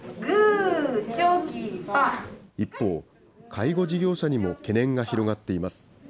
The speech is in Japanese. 一方、介護事業者にも懸念が広がっています。